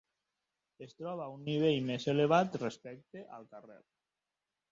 Es troba a un nivell més elevat respecte el carrer.